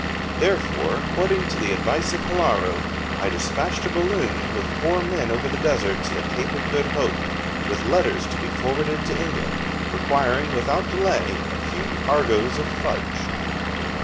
Therefore, according to the advice of Hilaro, I despatched a balloon with four men over the desert to the Cape of Good Hope, with letters to be forwarded to England, requiring, without delay, a few cargoes of fudge.